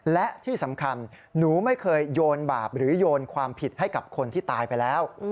และที่สำคัญหนูไม่เคยโยนบาปหรือโยนความผิดให้กับคนที่ตายไปแล้ว